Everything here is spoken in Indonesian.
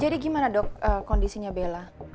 jadi gimana dok kondisinya bella